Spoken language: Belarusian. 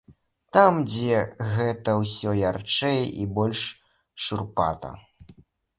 Там, дзе гэта ўсё ярчэй і больш шурпата.